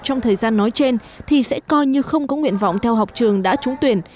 trong thời gian nói trên thì sẽ coi như không có nguyện vọng theo học trường đã trúng tuyển